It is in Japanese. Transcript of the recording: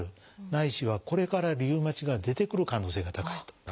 ないしはこれからリウマチが出てくる可能性が高いと。